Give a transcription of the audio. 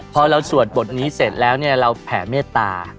พอเราสวดบทนี้เสร็จแล้วเนี่ยเราแผ่เมตตา